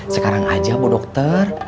sekarang aja mbak dokter